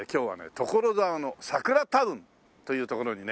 所沢のサクラタウンという所にね